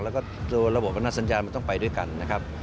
แล้วก็ตัวระบบอำนาจสัญญามันต้องไปด้วยกันนะครับ